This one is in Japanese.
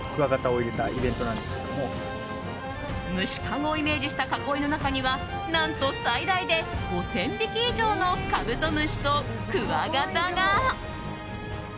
虫かごをイメージした囲いの中には何と、最大で５０００匹以上のカブトムシとクワガタが。